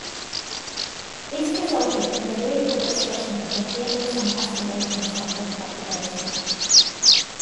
This resulted in the lyrical expression of the feelings and aspirations of the population.